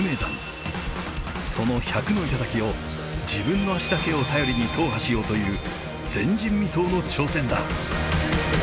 その１００の頂を自分の足だけを頼りに踏破しようという前人未到の挑戦だ。